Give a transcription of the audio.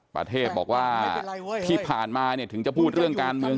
ประเทศบอกว่าที่ผ่านมาเนี่ยถึงจะพูดเรื่องการเมือง